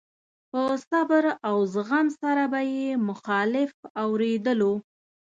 په صبر او زغم سره به يې مخالف اورېدلو.